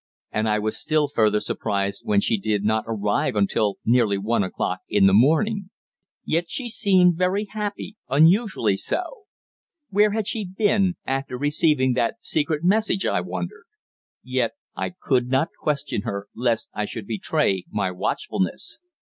And I was still further surprised when she did not arrive until nearly one o'clock in the morning. Yet she seemed very happy unusually so. Where had she been after receiving that secret message, I wondered? Yet I could not question her, lest I should betray my watchfulness.